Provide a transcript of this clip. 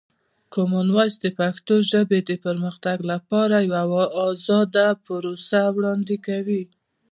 کامن وایس د پښتو ژبې د پرمختګ لپاره یوه ازاده پروسه وړاندې کوي.